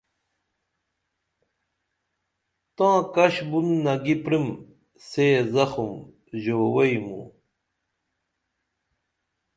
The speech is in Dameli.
تاں کش بُن نگی پِریم سے زخم ژووئی موں